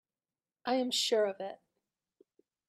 I am sure of it.